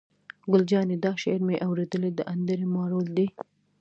ګل جانې: دا شعر مې اورېدلی، د انډرې مارول دی.